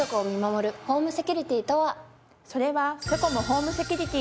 それはセコム・ホームセキュリティです。